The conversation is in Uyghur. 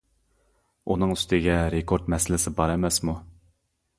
ئۇنىڭ ئۈستىگە رېكورت مەسىلىسى بار ئەمەسمۇ.